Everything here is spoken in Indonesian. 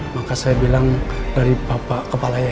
maka saya bilang dari bapak kepala yang